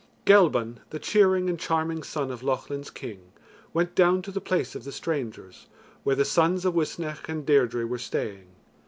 Gelban, the cheering and charming son of Lochlin's King, went down to the place of the strangers, where the sons of Uisnech and Deirdre were staying.